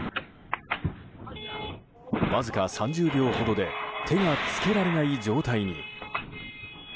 わずか３０秒ほどで手が付けられない状態に。